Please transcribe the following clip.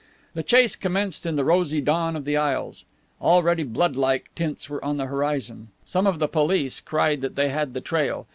The chase commenced in the rosy dawn of the isles. Already blood like tints were on the horizon. Some of the police cried that they had the trail.